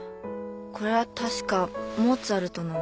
これは確かモーツァルトの。